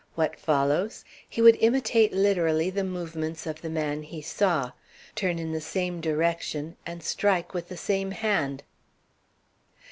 What follows? He would imitate literally the movements of the man he saw, turn in the same direction and strike with the same hand."